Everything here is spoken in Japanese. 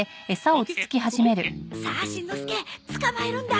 さあしんのすけ捕まえるんだ！